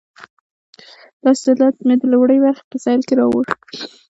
دا استدلال مې د لومړۍ برخې په ذیل کې راوړ.